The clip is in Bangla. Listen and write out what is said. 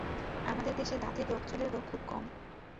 আমাদের দেশে দাঁতের রোগ, চুলের রোগ খুব কম।